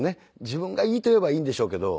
自分がいいと言えばいいんでしょうけど。